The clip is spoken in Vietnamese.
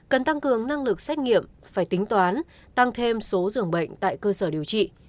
cần tăng cường năng lực xét nghiệm phải tính toán tăng thêm số dường bệnh tại cơ sở điều trị